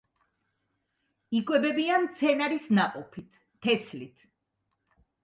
იკვებებიან მცენარის ნაყოფით, თესლით.